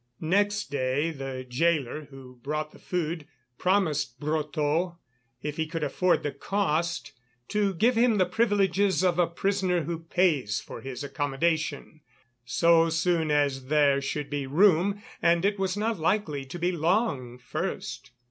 Next day the gaoler who brought the food promised Brotteaux, if he could afford the cost, to give him the privileges of a prisoner who pays for his accommodation, so soon as there should be room, and it was not likely to be long first.